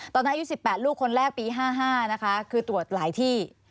อายุ๑๘ลูกคนแรกปี๕๕นะคะคือตรวจหลายที่